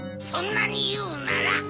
そんなにいうなら。